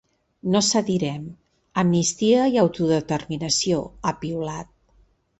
“No cedirem: amnistia i autodeterminació!”, ha piulat.